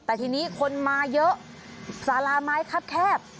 แต่ทีนี้คนมาเยอะสาราไม้ครับแคบ